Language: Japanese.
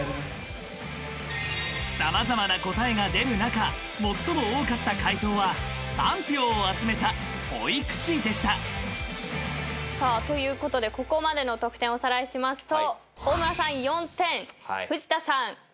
［様々な答えが出る中最も多かった回答は３票を集めた保育士でした］ということでここまでの得点おさらいしますと。